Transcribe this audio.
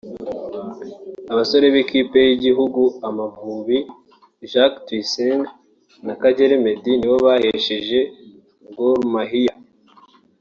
Abasore b'ikipe y'igihugu Amavubi Jacques Tuyisenge na Kagere Meddy nibo bahesheje Gor Mahia